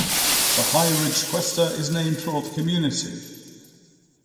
The High Ridge cuesta is named for the community.